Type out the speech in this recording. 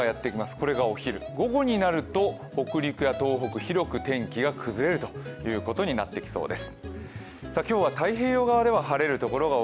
これがお昼、午後になると北陸や東北、広く天気が崩れるということになってきそうです。